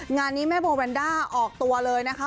งานนี้แม่โบแวนด้าออกตัวเลยนะคะ